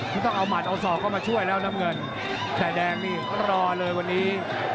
มันต้องเอาหมัดเอาศอกเข้ามาช่วยแล้วน้ำเงินแต่แดงนี่รอเลยวันนี้